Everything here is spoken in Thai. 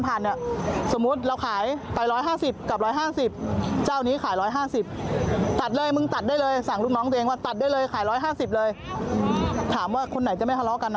ถามว่าคนไหนจะไม่ทะเลาะกันอ่ะถูกไหม